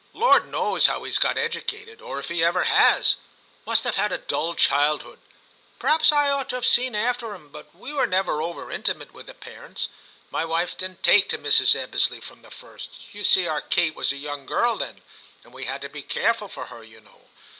Lord knows how he s got educated, or if he ever has. He must have had a dull childhood ; perhaps I ought to have seen after him, but we were never over intimate with the parents. My wife didn*t take to Mrs. Ebbesley from the first : you see our Kate was a young girl then, and we had to be careful for her, you know.